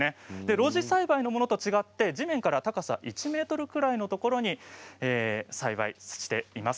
露地栽培のものとは違って地面から高さ１ｍぐらいのところに栽培しています。